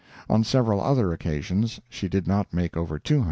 On several other occasions she did not make over 200.